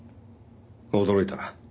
驚いたな。